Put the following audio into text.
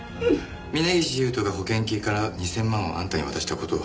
峰岸勇人が保険金から２０００万をあんたに渡した事を白状したよ。